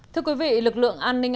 thưa quý vị lực lượng an ninh